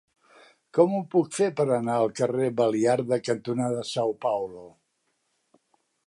Com ho puc fer per anar al carrer Baliarda cantonada São Paulo?